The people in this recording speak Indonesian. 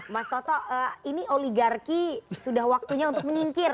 mas toto ini oligarki sudah waktunya untuk menyingkir